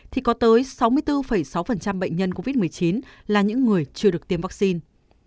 thì có tới sáu mươi bốn sáu bệnh nhân covid một mươi chín là những người chưa được tiêm vaccine